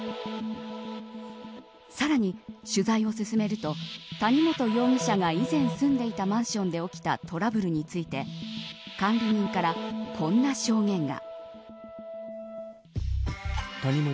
さらに取材を進めると谷本容疑者が以前住んでいたマンションで起きたトラブルについて管理人からこんな証言が。